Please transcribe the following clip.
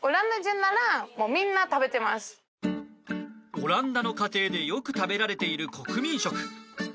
オランダの家庭でよく食べられている国民食。